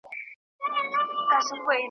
دومره بیدار او هوښیار سي .